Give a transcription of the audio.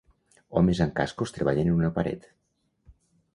Homes amb cascos treballen en una paret.